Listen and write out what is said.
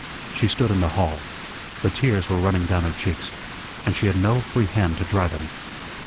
She stood in the hall. The tears were running down her cheeks, and she had no free hand to dry them.